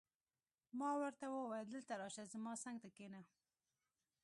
ما ورته وویل: دلته راشه، زما څنګ ته کښېنه.